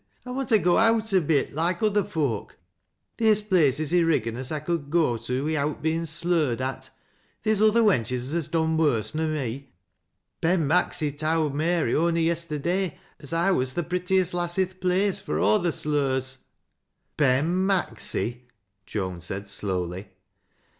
" I want to go out a bit loike other foak. Theer's places i' Riggan as I could go to wi'out beiu' slurred at — theer's other wenches as has done worse nor me. Ben Maxy towd Mary on'y yesterda^ as I was the prettiest laaa r th' place, fur aw their slurs.'"' " Ben Maxy I " Joan said slowly.